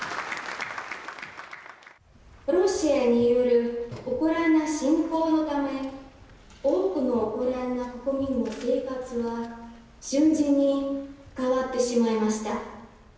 ロシアによるウクライナ侵攻のため、多くのウクライナ国民の生活が瞬時に変わってしまいました。